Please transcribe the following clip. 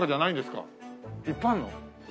いっぱいあるの？